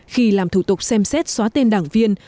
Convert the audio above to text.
khi làm thủ tục xem xét xóa tên đảng viên